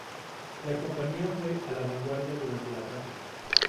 La compañía fue a la vanguardia durante el ataque.